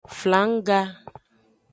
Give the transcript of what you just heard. Flangga.